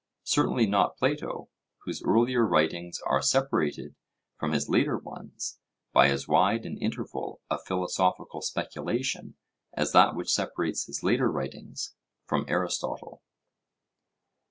Certainly not Plato, whose earlier writings are separated from his later ones by as wide an interval of philosophical speculation as that which separates his later writings from Aristotle.